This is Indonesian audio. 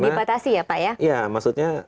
makin banyak yang terjadi ya pak ya iya maksudnya